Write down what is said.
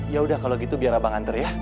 yaudah kalau gitu biar abang antar ya